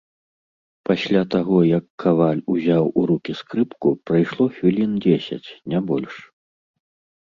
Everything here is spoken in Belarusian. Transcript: Пасля таго як каваль узяў у рукі скрыпку, прайшло хвілін дзесяць, не больш.